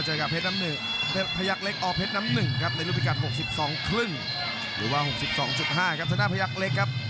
หรือว่า๖๒๕ครับสนานพยักเล็กครับ